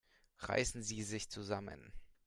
Reißen Sie sich zusammen!